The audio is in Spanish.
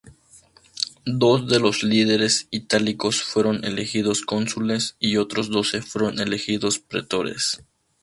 Dos de los líderes itálicos fueron elegidos cónsules y otros doce fueron elegidos pretores.